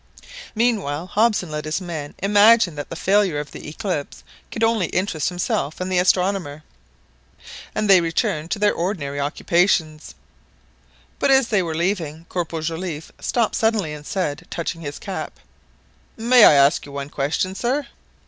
Meanwhile Hobson let his men imagine that the failure of the eclipse could only interest himself and the astronomer, and they returned to their ordinary occupations; but as they were leaving, Corporal Joliffe stopped suddenly and said, touching his cap— "May I ask you one question, sir?"